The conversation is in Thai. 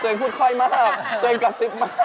พูดค่อยมากตัวเองกระซิบมาก